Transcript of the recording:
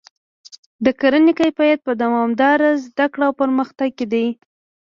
د کرنې کیفیت په دوامداره زده کړه او پرمختګ کې دی.